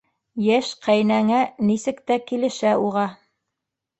Йәш ҡәйнәңә нисек тә килешә уға.